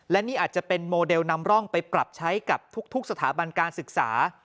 และนี่อาจจะเป็นโมเดลนำร่องไปปรับใช้กับทุกสถาบันการศึกษา